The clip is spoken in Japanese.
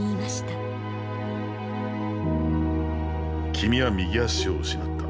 君は右足を失った。